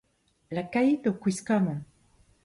Lakait ho kwiskamant !